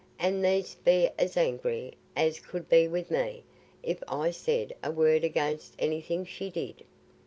An' thee'dst be as angry as could be wi' me, if I said a word against anything she did."